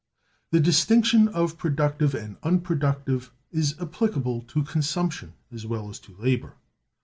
The distinction of Productive and Unproductive is applicable to Consumption as well as to Labor.